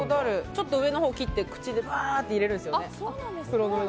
ちょっと上のほう切って口に、バーって入れるんですよね。